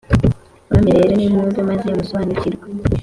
Bami rero, nimwumve maze musobanukirwe,